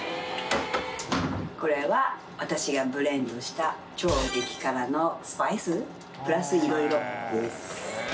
これは私がブレンドした超激辛のスパイスプラス色々です。